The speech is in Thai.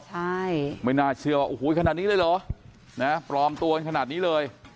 ใช่ไม่น่าเชื่อว่าโอ้โหขนาดนี้เลยเหรอนะปลอมตัวกันขนาดนี้เลย